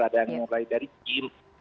ada yang mulai dari gym